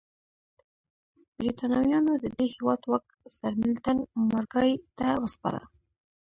برېټانویانو د دې هېواد واک سرمیلټن مارګای ته وسپاره.